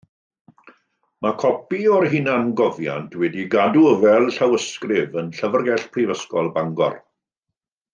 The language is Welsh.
Mae copi o'r hunangofiant wedi ei gadw fel llawysgrif yn Llyfrgell Prifysgol Bangor.